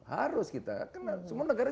harus kita kenal semua negara